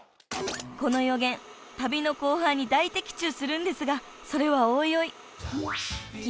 ［この予言旅の後半に大的中するんですがそれはおいおい］